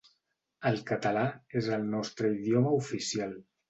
El català és el nostre idioma oficial.